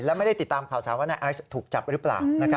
และไม่ได้ติดตามข่าวสารว่านายไอซ์ถูกจับหรือเปล่า